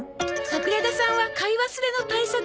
桜田さんは買い忘れの対策